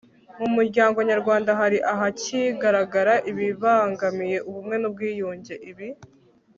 Mu muryango nyarwanda hari ahakigaragara ibibangamiye ubumwe n ubwiyunge ibi